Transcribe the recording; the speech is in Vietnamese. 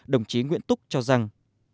đồng chí nguyễn túc cho rằng